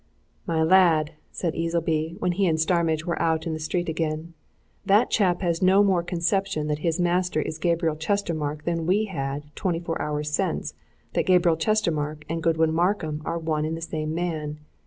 "My lad!" said Easleby, when he and Starmidge were out in the street again, "that chap has no more conception that his master is Gabriel Chestermarke than we had twenty four hours since that Gabriel Chestermarke and Godwin Markham are one and the same man.